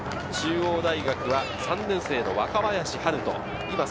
中央大学は３年生の若林陽大。